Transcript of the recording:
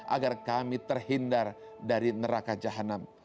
agar kami terhindar dari neraka jahanam